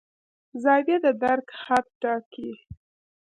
زاویه د درک حد ټاکي.